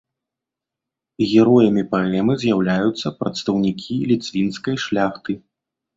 Героямі паэмы з'яўляюцца прадстаўнікі ліцвінскай шляхты.